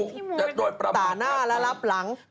จะโดดประหมอบดับไป